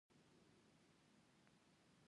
د لوبي هدف ډېر ځغستل يا زیاتي منډي جوړول دي.